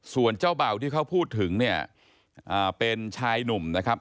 ส่วนเจ้าเบ่าที่เขาพูดถึงเนี่ยเป็นชายหนุ่มนะครับ